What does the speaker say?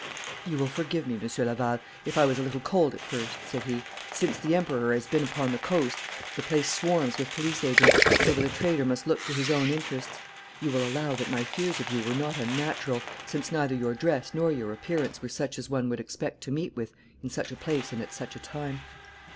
'You will forgive me, Monsieur Laval, if I was a little cold at first,' said he. 'Since the Emperor has been upon the coast the place swarms with police agents, so that a trader must look to his own interests. You will allow that my fears of you were not unnatural, since neither your dress nor your appearance were such as one would expect to meet with in such a place and at such a time.'